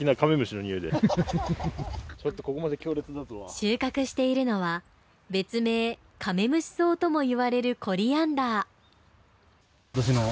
収穫しているのは別名「カメムシソウ」ともいわれるコリアンダー。